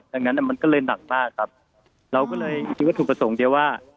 ดังนั้นมันก็เลยหนักมากครับเราก็เลยคิดว่าถูกประสงค์เดียวว่า